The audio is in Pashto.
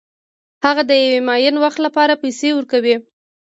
هغه د یو معین وخت لپاره پیسې ورکوي